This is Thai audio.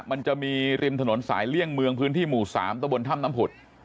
มันจะมีริมถนนสายเลี่ยงเมืองพื้นที่หมู่๓ตะบนถ้ำน้ำผุด